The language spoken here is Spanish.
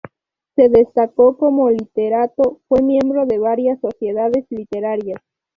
Se destacó como literato, fue miembro de varias sociedades literarias.